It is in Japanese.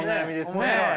面白い。